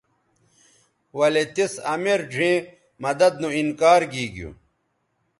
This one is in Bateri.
ولے تِس امیر ڙھیئں مدد نو انکار گیگیو